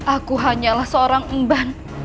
aku hanyalah seorang emban